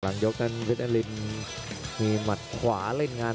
หลังยกนั้นเวทยาลินมีหมัดขวาเล่นงาน